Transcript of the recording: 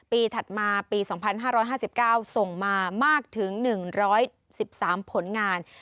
ถัดมาปี๒๕๕๙ส่งมามากถึง๑๑๓ผลงาน